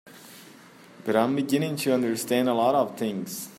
But I'm beginning to understand a lot of things.